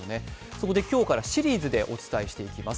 そこで今日からシリーズでお伝えしていきます